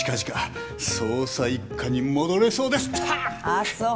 あっそう。